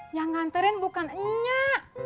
nyangan terin bukan nyak